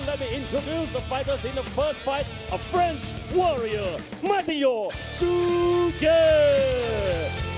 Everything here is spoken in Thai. เราจะพบกันกันกันกันกันกันกันกัน